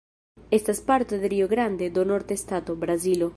Estas parto de Rio Grande do Norte stato, Brazilo.